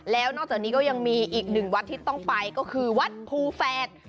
แล้วนอกจากนี้ก็ยังมีอีกหนึ่งวัดที่ต้องไปก็คือวัดภูแฝด